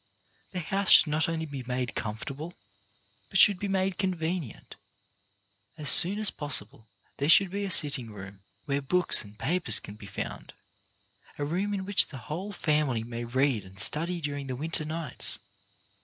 The house should not only be made comfortable, but should be made con venient. As soon as possible there should be a sitting room, where books and papers can be found, a room in which the whole family may read and study during the winter nights.